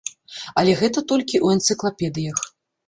Але гэта толькі ў энцыклапедыях.